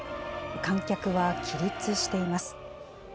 観客は起立しています。